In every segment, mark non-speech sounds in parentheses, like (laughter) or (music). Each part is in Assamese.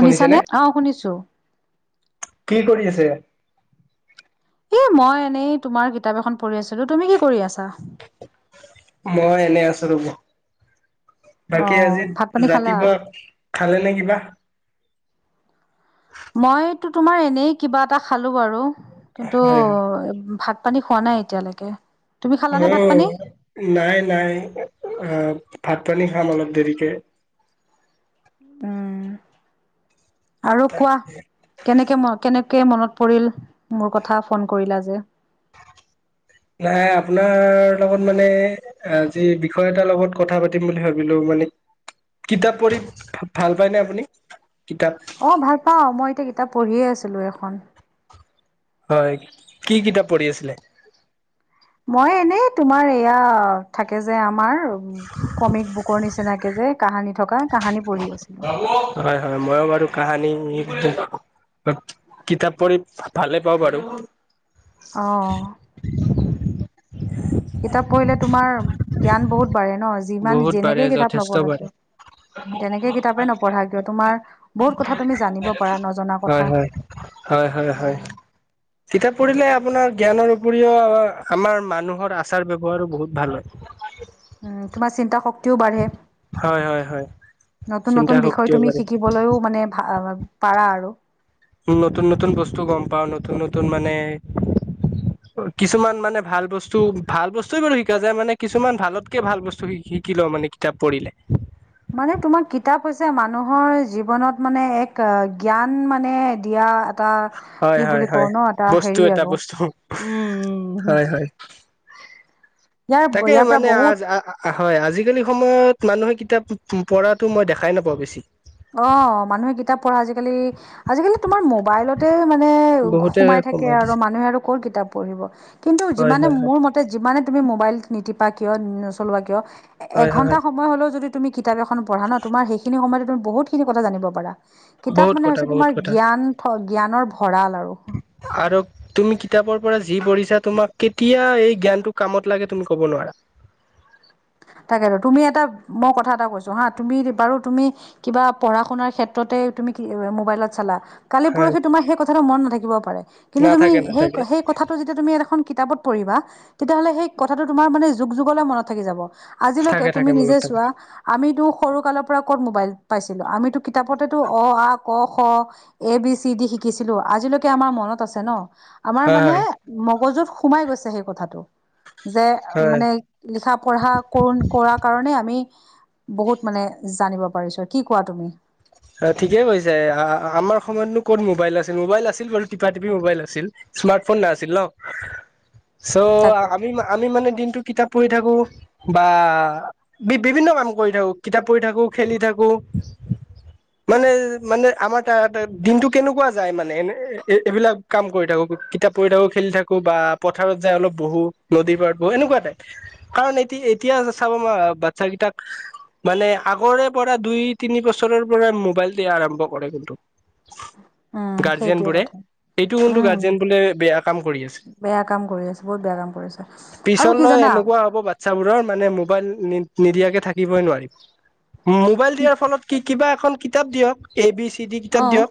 শুনিছেনে? অ' শুনিছোঁ। কি কৰি আছে? এ মই এনেই তোমাৰ কিতাপ এখন পঢ়ি আছিলোঁ। তুমি কি কৰি আছা? মই এনে আছো বাকী আজি অ' ভাত পানী খালা? ৰাতিপুৱা খালে নে কিবা? মইতো তোমাৰ এনেই কিবা এটা খালোঁ বাৰু। কিন্তু হয়। ভাত পানী খোৱা নাই এতিয়ালৈকে। তুমি খালানে ভাত পানী? অ' নাই - নাই। অ'- ভাত পানী খাম অলপ দেৰিকে। উম আৰু কোৱা কেনেকে মই কেনেক কে মনত পৰিল মোৰ কথা? ফোন কৰিলা যে? (inaudible) নাই, আপোনাৰ লগত মানে অ' যি বিষয় এটাৰ লগত কথা পাতিম বুলি ভাবিলোঁ মানে কিতাপ পঢ়ি ভাল পায় নে আপুনি? কিতাপ অ' ভাল পাওঁ। মই এতিয়া কিতাপ পঢ়িয়ে আছিলোঁ এখন। হয়, কি কিতাপ পঢ়ি আছিলে? মই এনেই তোমাৰ এয়া থাকে যে আমাৰ কমিক বুকৰ নিচিনা যে কাহানী থকা, কাহানী পঢ়ি আছিলো। হয় - হয়, মই বাৰু কাহানি কিতাপ পঢ়ি ভালে পাওঁ বাৰু। অ'। কিতাপ পঢ়িলে তোমাৰ জ্ঞান বহুত বাঢ়ে ন যিমান বহুত পাৰে যেনেকে কিতাপ যথেষ্ট নপঢ়া পাৰে। কিয় তেনেকে কিতাপে নপঢ়া কিয়, তোমাৰ বহুত কথা তুমি জানিব পাৰা, নজনা হয় কথা। হয় হয় - হয় - হয়। উম কিতাপ পঢ়িলে আপোনাৰ জ্ঞানৰ উপৰিও আমাৰ মানুহৰ আচাৰ ব্যৱহাৰো বহুত ভাল হয়। তোমাৰ চিন্তা শক্তিও বাঢ়ে। হয় হয় হয় নতুন - চিন্তা নতুন বিষয় শক্তিও তুমি বাঢ়ে শিকিবলৈও মানে ভা- অ' পাৰা আৰু। নতুন - নতুন বস্তু গম পাওঁ, নতুন - নতুন মানে কিছুমান মানে ভাল বস্তু- ভাল বস্তুৱে বাৰু শিকা যায়। মানে কিছুমান ভালতকে ভাল বস্তু শিকি শিকি লওঁ মানে, কিতাপ পঢ়িলে। মানে তোমাৰ কিতাপ হৈছে মানুহৰ জীৱনত মানে এক জ্ঞান মানে দিয়া এটা হয় কি হয় বুলি কওঁ হয় ন', এটা বস্তু হেৰি এটা আৰু বস্তু উম - উম - উম। হয় হয় ইয়াৰ তাকে ইয়াৰ পৰা মানে বহুত আজ- হয়, আজিকালি সময়ত মানুহে কিতাপ পঢ়াটো মই দেখাই নাপাওঁ বেছি। অ' মানুহে কিতাপ পঢ়া আজিকালি আজিকালি তোমাৰ মোবাইলতে মানে বহুতে সোমাই থাকে সময় আৰু। দিছে মানুহে আৰু ক'ৰ কিতাপ পঢ়িব? কিন্তু হয় যিমানে- হয় হয় মোৰ মতে যিমানে তুমি মোবাইল নিটিপা কিয়, নচলোৱা কিয়, হয় হয় হয় এঘন্টা সময় হ'লেও যদি তুমি কিতাপ এখন পঢ়া ন', তোমাৰ সেইখিনি সময়তে তুমি বহুতখিনি কথা জানিব পাৰা। কিতাপ বহুত মানে কথা হৈছে বহুত তোমাৰ কথা জ্ঞান থ- জ্ঞানৰ ভঁৰাল আৰু। পৰ পৰা যি পঢ়িছা, তোমাক কেতিয়া এই জ্ঞানটো কামত লাগে, তুমি ক'ব নোৱাৰা। তাকেতো, তুমি এটা- মই কথা এটা কৈছোঁ হা। তুমি বাৰু, তুমি কিবা পঢ়া-শুনাৰ ক্ষেত্ৰত তে তুমি মোবাইলত চালা কালি হয় পৰহি তোমাৰ সেই কথাটো মন নাথাকিবও পাৰে। কিন্তু তুমি নাথাকে সেই- নাথাকে সেই কথাটো যেতিয়া তুমি এখন কিতাপত পঢ়িবা, তেতিয়াহ'লে সেই কথাটো তোমাৰ মানে যুগ যুগলে মনত থাকি যাব। আজিলৈকে থাকে তুমি থাকে নিজে মনত থাকে চোৱা, আমিতো সৰু কালৰ পৰা ক'ত মোবাইল পাইছিলোঁ? আমিতো কিতাপতেতো অ, আ, ক, খ, এ, বি, চি, ডি শিক্ কিছিলোঁ। আজিলৈকে আমাৰ মনত আছে ন'? আমাৰ হয় মানে মগজুত সোমাই গৈছে সেই কথাটো। যে হয় মানে লিখা, পঢ়া ফোন কৰা কাৰণে আমি বহুত মানে জানিব পাৰিছোঁ, কি কোৱা তুমি? অ' ঠিকেই কৈছে। আ- আমাৰ সময়তনো ক'ত মোবাইল আছিল? মোবাইল আছিল বাৰু, টিপা-টিপি মোবাইল আছিল। স্মাৰ্ট ফোন নাছিল ন'? ছো তাকে আমি- আমি মানে দিনটো কিতাপ পঢ়ি থাকোঁ বা বি- বিভিন্ন কাম কৰি থাকোঁ, কিতাপ পঢ়ি থাকোঁ, খেলি থাকোঁ। (inaudible) মানে- মানে আমাৰ তাত দিনটো কেনেকুৱা যায়, মানে এনে এ- এইবিলাক কাম কৰি থাকোঁ কিতাপ পঢ়ি থাকোঁ, খেলি থাকোঁ বা পথাৰত যাই অলপ বহো। নদীৰ পৰাত বহো, এনেকুৱা টাইপ। কাৰণ এটি এতিয়া চাব ম- বাচ্ছাকেইটাক মানে আগৰে পৰা দুই-তিনি বছৰৰ পৰাই মোবাইল দিয়া আৰম্ভ কৰে কিন্তু। উম, গাৰ্জিয়ান সেইটোৱে বোৰে কথা। এইটো কিন্তু উম গাৰ্জেন বোলে বেয়া কাম কৰি আছে। বেয়া কাম কৰি আছে বহুত বেয়া কাম কৰি আছে আৰু কি পিছলৈ জানা এনেকুৱা হ'ব, বাচ্ছাবোৰৰ মানে মোবাইল নিদিয়াকে থাকিবই নোৱাৰি। মোবাইল কি দিয়াৰ ফলত কি- কিবা এখন কিতাপ দিয়ক। এ বি চি ডি কিতাপ অ' দিয়ক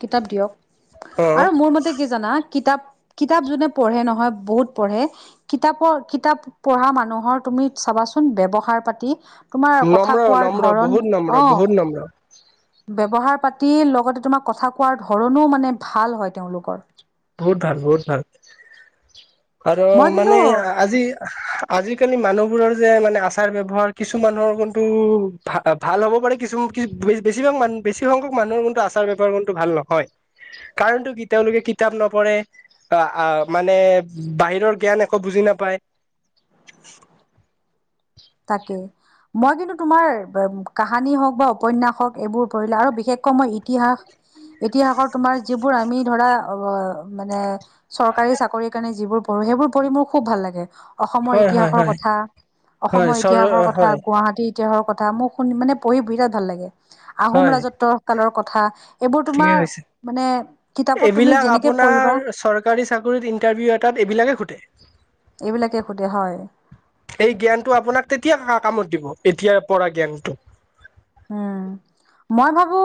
কিতাপ দিয়ক। অ আৰু মোৰ মতে কি জানা কিতাপ কিতাপ যোনে পঢ়ে নহয়, বহুত পঢ়ে, কিতাপৰ- কিতাপ পঢ়া মানুহৰ তুমি চ ৱাচোন, ব্যৱহাৰ-পাতি তোমাৰ কথা নম্ৰ কোৱাৰ নম্ৰ ধৰণ- বহুত নম্ৰ অ', বহুত নম্ৰ ব্যবহাৰ লগতে তোমাক কথা কোৱাৰ ধৰণো মানে ভাল হয় তেওঁলোকৰ। বহুত ভাল, বহুত ভাল। আৰু মই কিন্তু মানে আজি আজিকালি মানুহবোৰৰ যে মানে আচাৰ-ব্যৱহাৰ কিছু মানুহৰ কিন্তু ভা- ভাল হ'ব পাৰে কিছু বেছিভাগ মান- বেছি সংখ্যক মানুহৰ কিন্তু আচাৰ ব্যৱহাৰটো কিন্তু ভাল নহয়। কাৰণটো কি, তেওঁলোকে কি তাপ নপঢ়ে। আ- আ- মানে বাহিৰৰ জ্ঞান একো বুজি নাপায়। (inaudible) তাকেই। মই কিন্তু তোমাৰ ব- কাহানী হওঁক বা উপন্যাস হওঁক, এইবোৰ পঢ়িলে আৰু বিশেষ ক মই ইতিহাস ইতিহাসৰ তোমাৰ যিবোৰ আমি ধৰা, অ'- মানে চৰকাৰী চাকৰিৰ কাৰণে যিবোৰ প ঢ়ো, সেইবোৰ পঢ়ি মোৰ খুব ভাল লাগে। অসমৰ হয় হয় ইতিহাসৰ হয় কথা হয় অসমৰ চৰ ইতিহাসৰ কথা, হয় গুৱাহাটীত তিহৰ কথা, মোক শুনি মানে পঢ়ি বিৰাত ভাল লাগে। আহোম হয় ৰাজত্ব কালৰ কথা এইবোৰ ঠিকে তোমাৰ কৈছে। মানে কিতাপত তুমি এইবিলাক যেনেকে পঢ়িবা আপোনাৰ চৰকাৰী চাকৰিত ইন্টাৰভিউ এটাত এইবিলাকে সোধে। এইবিলাকে সোধে হয় এই জ্ঞানটো আপোনাক তেতিয়া কা মত দিব, এতিয়া পঢ়া জ্ঞানটো। উম, মই ভাবো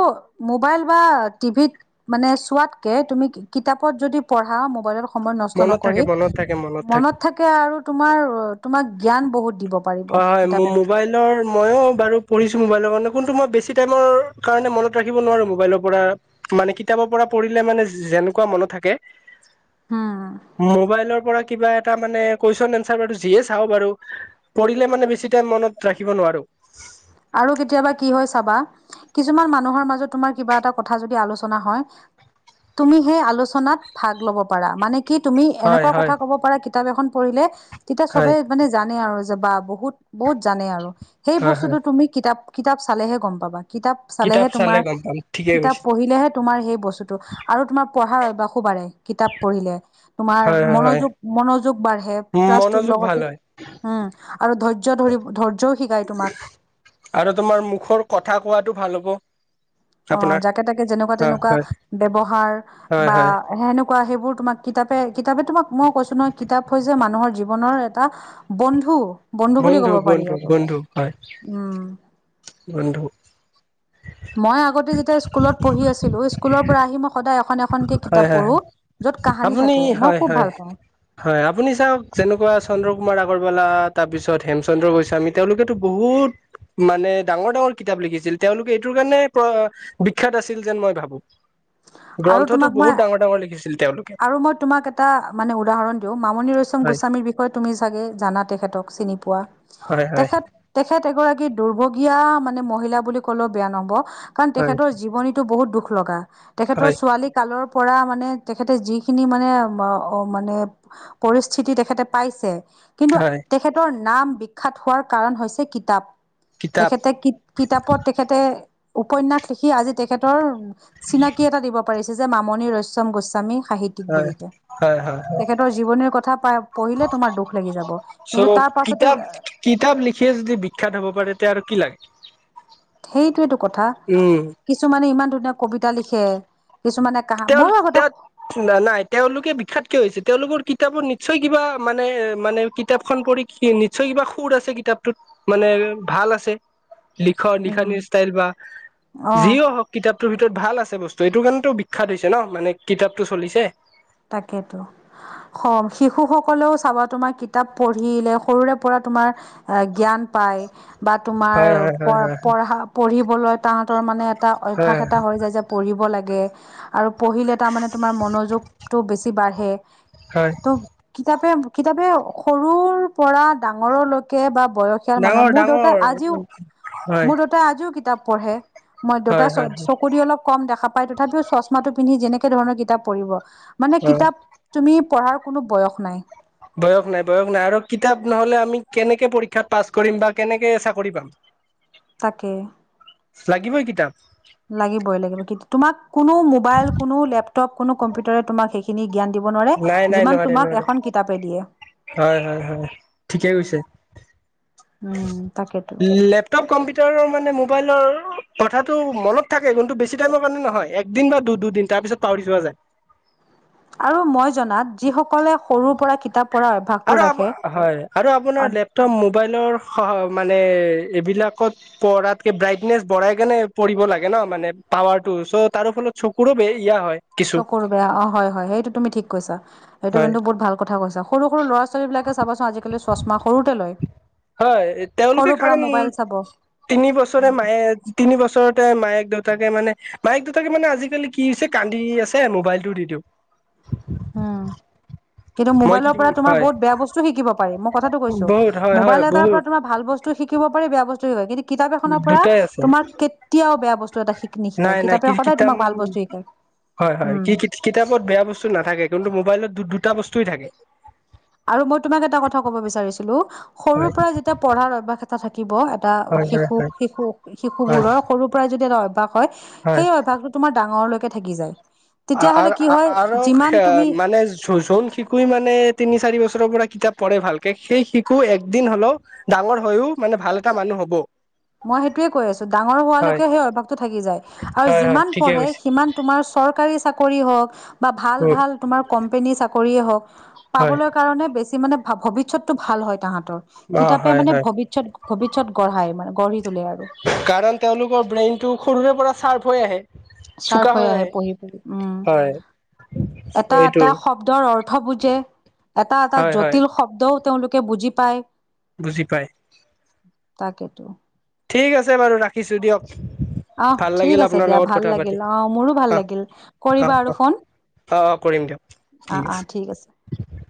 মোবাইল বা টিভিত মানে চোৱাতকে তু মি কিতাপত যদি পঢ়া, মোবাইলত সময় নষ্ট মনত নকৰি, থাকে মনত থাকে মনত থাকে আৰু তোমাৰ অ'- তোমাক জ্ঞান বহুত দিব পাৰিব হয় - হয়। কিতাপে ম- মোবাইলৰ ময়ো বাৰু পঢ়িছোঁ, মোবাইলৰ কাৰণে কোনটো মই বেছি টাইমৰ কাৰণে মনত ৰাখিব নোৱাৰোঁ মোবাইলৰ পৰা। মানে কিতাপৰ পৰা পঢ়িলে মানে যি এনেকুৱা মনত থাকে। উম, মোবাইলৰ পৰা কিবা এটা মানে কুৱেছন এনছাৰ বাৰু যিয়ে চাওঁ বাৰু পঢ়িলে মানে বেছি টাইম মনত ৰাখিব নোৱাৰোঁ। আৰু কেতিয়াবা কি হয় চাবা, কিছুমান মানুহৰ মাজত তোমাৰ কিবা এটা কথা যদি আলোচনা হয় তুমি সেই আলোচনাত ভাগ লব পাৰা। মানে কি, তুমি হয় এনেকুৱা হয় কথা ক'ব পাৰা কিতাপ এখন পঢ়িলে, তেতিয়া চবে হয় মানে জানে আৰু যে বা, বহুত- বহুত জানে আৰু। সেই হয় হয় বস্তুটো তুমি কিতাপ- কিতাপ চালেহে গম পাবা। কিতাপ চালেহে কিতাপ চালে তোমাৰ গম পাম ঠিকেই কিতাপ কৈছে পঢ়িলেহে তোমাৰ সেই বস্তুটো আৰু তোমাৰ পঢ়াৰ বাসুবাৰে কিতাপ পঢ়িলে তোমাৰ হয় হয় হয় মনোযোগ মনোযোগ বাঢ়ে প্লাছটুৰ মনোযোগ ভাল লগতে হয় উম আৰু ধৈৰ্য্য ধৰি ধৈৰ্য্যও শিকায় তোমাক আৰু তোমাৰ মুখৰ কথা কোৱাটো ভাল হ'ব। অ আপোনাৰ যাকে তাকে যেনেকুৱা হয় তেনেকুৱা হয় ব্যৱহাৰ হয় বা হয় সেনেকুৱা কোৱা সেইবোৰ তোমাক কিতাপে কিতাপে তোমাক মই কৈছো নহয় কিতাপ হৈছে মানুহৰ জীৱনৰ এটা বন্ধু। বন্ধু বুলি কব পাৰি বন্ধু আৰু বন্ধু হয় উম। বন্ধু মই আগতে যেতিয়া স্কুলত পঢ়ি আছিলো স্কুলৰ পৰা আহি মই সদায় এখন এখনকে হয় কিতাপ হয় পঢ়ো য'ত কাহানী আপুনি থাকে মই হয় খুব হয় ভাল পাওঁ। হয়। আপুনি চাওঁক, যেনেকুৱা চন্দ্ৰ কুমাৰ আগৰ ৱালা, তাৰপিছত হেমচন্দ্ৰ গোস্বামী, তেওঁলোকেতো বহুত মানে ডাঙৰ ডাঙৰ কিতাপ লিখিছিল তেওঁলোকে এইটোৰ কাৰণে বিখ্যাত আছিল যেন মই ভাবো। আৰু গ্ৰন্থটো তোমাক মই বহুত ডাঙৰ ডাঙৰ লিখিছিল। তেওঁলোকে আৰু মই তোমাক এটা মানে উদাহৰণ দিওঁ মামনি ৰয় হয় গোস্বামীৰ বিষয়ে তুমি চাগে জানা তেখেতক চিনি পোৱা হয় হয় তেখেত তেখেত তেখেত এগৰাকী দুৰ্ভগীয়া মানে মহিলা বুলি ক'লেও বেয়া নহব কাৰণ হয় তেখেতৰ জীৱনীতটো বহুত দুখ লগা তেখেতৰ হয় ছোৱালী কালৰ পৰা মানে তেখেতে যিখিনি মানে মানে পৰিস্থিতি তেখেতে পাইছে। কিন্তু হয় তেখেতৰ নাম বিখ্যাত হোৱাৰ কাৰণ হৈছে কিতাপ। কিতাপ তেখেতে কিতাপত তেখেতে উপন্যাস লিখি আজি তেখেতৰ চিনাকি এটা দিব পাৰিছে যে মামণি ৰয়চ্যম গোস্বামী সাহিত্যিক হয় বুলি কে। হয় হয় তেখেতৰ জীৱনীৰ কথা প পঢ়িলে তোমাৰ দুখ লাগি যাব। চ' কিন্তু তাৰ পাছতে কিতাপ কিতাপ লিখিয়ে যদি বিখ্যাত হ'ব পাৰে তেতিয়া আৰু কি লাগে। সেইটোয়েটো কথা উম কিছুমানে ইমান ধুনীয়া কবিতা লিখে। কিছুমানে কাহা তেওঁ ময়ো আগতে তেওঁ নাই তেওঁলোকে বিখ্যাত কিয় হৈছে তেওঁলোকৰ কিত কিতাপত নিশ্চয় কিবা মানে এ মানে কিতাপখন পঢ়ি নিশ্চয় কিবা সুৰ আছে কিতাপটোত মানে ভাল আছে। লিখন উম লিখনিৰ ষ্টাইল বা অ যিও হওক কিতাপটোৰ ভিতৰত ভাল আছে বস্তু এইটো কাৰণে টো বিখ্যাত হৈছে ন মানে কিতাপটো চলিছে। তাকেতো হম শিশু সকলেও চাবা তোমাৰ কিতাপ পঢ়িলে সৰুৰে পৰা তোমাৰ জ্ঞান পাই বা তোমাৰ হয় হয় প হয় হয় পঢা পঢ়িবলৈ তাহতৰ মানে এটা অভ্যাস হয় এটা হৈ যায় যে পঢ়িব লাগে আৰু পঢ়িলে তাৰ মানে তোমাৰ মনোযোগ টো বেছি বাঢ়ে হয় ত' কিতাপে কিতাপে সৰুৰ পৰা ডাঙৰলৈকে বা বয়সিয়াল মানুহৰ ডাঙৰ মোৰ দেউতাই ডাঙৰ আজিও হয় মোৰ দেউতাই আজিও কিতাপ পঢ়ে। মই দেউতা হয় হয় হয় চকু দি অলপ কম দেখা পায় তথাপিও চশমা টো পিন্ধি যেনে একে ধৰণৰ কিতাপ পঢ়িব মানে অ কিতাপ তুমি পঢ়াৰ কোনো বয়স নাই। বয়স নাই বয়স নাই আৰু কিতাপ নহলে আমি কেনেকে পৰীক্ষাত পাছ কৰিম বা কেনেকে চাকৰি পাম। তাকে লাগিবই কিতাপ লাগিবই লাগিব তোমাক কোনো মোবাইল কোনো লেপটপ কোনো কম্পিউটাৰে তোমাক সেইখিনি জ্ঞান দিব নোৱাৰে নাই নাই যিমান নোৱাৰে তোমাক নোৱাৰে এখন কিতাপে দিয়ে। হয় হয় হয় ঠিকেই উম কৈছে। উম, তাকেতো লেপটপ, কম্পিউটাৰৰ মানে মোবাইলৰ কথাটো মনত থাকে কিন্তু বেছি টাইমৰ কাৰানে নহয় একদিন বা দু দুদিন তাৰ পিছত পাহৰি যোৱা যায়। (unintelligible) আৰু মই জনাত যিসকলে সৰুৰ পৰা কিতাপ। পঢ়াৰ অভ্যাসটো আৰু ৰাখে হয় আৰু আপোনাৰ লেপটপ মোবাইল মোবাইলৰ স মানে এইবিলাকত পঢ়াতকে ব্ৰাইটনেছ বঢ়াই কেনে পৰিব লাগে ন। ন মানে টাৱাৰ টো ওচৰত তাৰো ফলত চকুৰো বেয়া ইয়া হয়। কিছু চকুৰ বেয়া অ হয় হয় সেইটো তুমি ঠিক কৈছা সেইটো হয় কিন্তু বহুত ভাল কথা কৈছা। সৰু সৰু ল'ৰা ছোৱালীবিলাকে চাবাচোন আজিকালি চশমা সৰুতে লয়। হয় তেওঁলোকে সৰুৰ পৰা কাৰণ মোবাইল চাব তিনি বছৰে মায়ে তিনি বছৰতে মায়েক। দেতাকে মানে মায়েক দুউটাকে মানে আজিকালি কি হৈছে কান্দি আছে মোবাইলটো দি দিওঁ। আহ কিন্তু মই কি মোবাইলৰ পৰা তোমাৰ হয় বহুত বেয়া বস্তু শিকিব পাৰি মই কথাটো কৈছো বহুত হয় হয় মোবাইল এটাৰ পৰা বহুত তোমাৰ ভাল বস্তু শিকিব পাৰি বেয়া বস্তু শ কিন্তু কিতাপ এখনৰ পৰা দুটাই আছে তোমাৰ কেতিয়াও বেয়া বস্তু এটা শিক নিশিকায় নাই নাই কিতাপে কি সদায় কিতাপ তোমাক ভাল বস্তু শিকায় হয় হয় উম কি কিতাপত বেয়া বস্তু না থাকে কিন্তু মোবাইলত দুটা বস্তুৱেই থাকে। আৰু মই তোমাক এটা কথা কব বিচাৰিছিলো হয় সৰুৰ পৰা যেতিয়া পঢ়াৰ অভ্যাস এটা থাকিব এটা। হয় হয় শিশু হয় শিশু শিশু হয় বোৰৰ সৰুৰ পৰাই যদি ৰয়। হয় হয় সেই অভ্যাসটো তোমাৰ ডাঙৰলৈকে থাকি যায়। তেতিয়াহ'লে কি হয় আৰু যিমান তুমি মানে জোন শিশুৱে মানে তিনি চাৰি বছৰ। ৰ পৰা কিতাপ পঢ়ে ভালকে সেই শিশু একদিন হলেও ডাঙৰ হৈও মানে ভাল এটা মানুহ হব মই সেইটোয়ে কৈ আছো ডাঙৰ হয় হোৱালৈকে সেই অভ্যাসতটো থাকি যায় আৰু হয় হয় যিমান ঠিকে পঢ়ে কৈছে সিমান তোমাৰ। চৰকাৰী চাক হওক বা ভাল উম ভাল তোমাৰ কম্পেনী চাকৰি হওক হয় পাবলৈ কাৰনে বেছি মানে ভৱিষ্যতটো ভাল হয় তাহাঁতৰ অ কিতাপে হয় মানে হয় ভৱিষ্যত ভৱিষ্যত গঢ়াই মানে গঢ়ি তোলে আৰু কাৰণ তেওঁলোকৰ ব্ৰেইন টো সৰুৰে পৰা চাৰ্প হৈ আহে। চাৰফ হৈ আহে পঢ়ি পঢ়ি উম। হয় এটা এইটো এটা শব্দৰ অৰ্থ বুজে এটা এটা হয় হয় জটিল শব্দও তেওঁলোকে। বুজি পায় বুজি পায় তাকেইেতো ঠিক আছে বাৰু ৰাখিছোঁ দিয়ক। আহ ভাল ঠিক লাগিল আছে আপোনাৰ দিয়া লগত ভাল কথা পাতি লাগিল আহ মোৰো ভাল অ লাগিল অ কৰিবা অ আৰু ফোন অ অ কৰিম দিয়ক ঠিক আছে